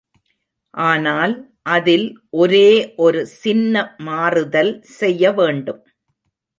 ஆனால் அதில் ஒரே ஒரு சின்ன மாறுதல் செய்ய வேண்டும்.